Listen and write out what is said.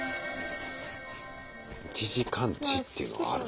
１時間値っていうのがあるんだ。